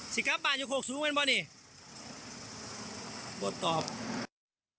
สิเกอปบ้านอยู่โขกสูงเป็นป่ะนี่